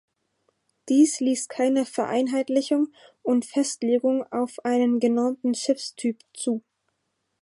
Dies ließ keine Vereinheitlichung und Festlegung auf einen genormten Schiffstyp zu.